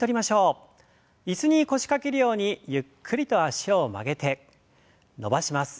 椅子に腰掛けるようにゆっくりと脚を曲げて伸ばします。